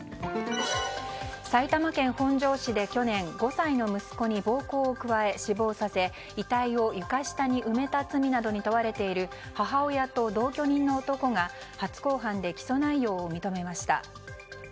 埼玉県本庄市で去年、５歳の息子に暴行を加え死亡させ遺体を床下に埋めた罪などに問われている母親と同居人の男が初公判で起訴内容を認めました。